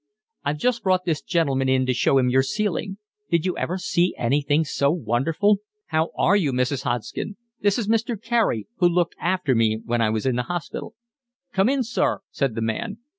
"I've just brought this gentleman in to show him your ceiling. Did you ever see anything so wonderful? How are you, Mrs. Hodgson? This is Mr. Carey, who looked after me when I was in the hospital." "Come in, sir," said the man.